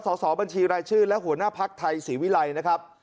สอบบัญชีรายชื่อและหัวหน้าภักดิ์ไทยศรีวิรัยนะครับ